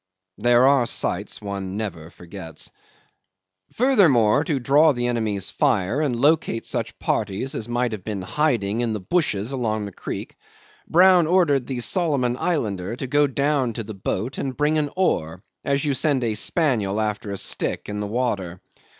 There are sights one never forgets. 'Furthermore, to draw the enemy's fire and locate such parties as might have been hiding in the bushes along the creek, Brown ordered the Solomon Islander to go down to the boat and bring an oar, as you send a spaniel after a stick into the water.